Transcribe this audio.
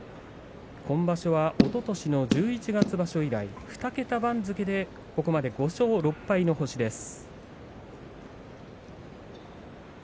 今場所は、おととしの十一月場所以来、２桁番付でここまで５勝６敗の星です。